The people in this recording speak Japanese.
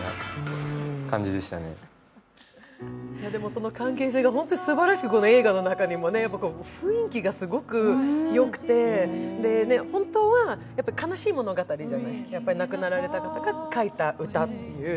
その関係性がホントにすばらしく、この映画の中にもね、雰囲気がすごくよくて本当は悲しい物語じゃない、亡くなられた方が書いた歌っていう。